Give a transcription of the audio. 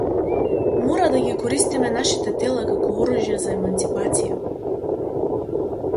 Мора да ги користиме нашите тела како оружје за еманципација.